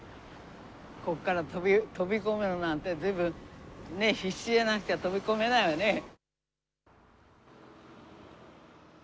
ここから飛び込めるなんて、ずいぶん、必死でなくちゃ飛び込めないよね。